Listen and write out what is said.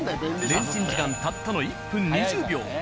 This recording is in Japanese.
レンチン時間たったの１分２０秒。